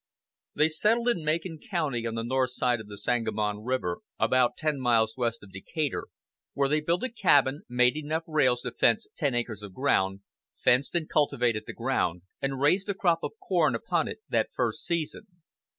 They settled in Macon County on the north side of the Sangamon River, about ten miles west of Decatur, where they built a cabin, made enough rails to fence ten acres of ground, fenced and cultivated the ground, and raised a crop of corn upon it that first season.